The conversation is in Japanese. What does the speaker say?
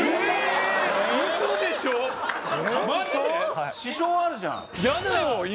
はい支障あるじゃん